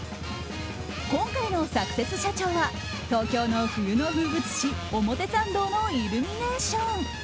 今回のサクセス社長は東京の冬の風物詩表参道のイルミネーション。